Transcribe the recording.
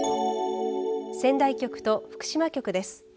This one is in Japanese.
仙台局と福島局です。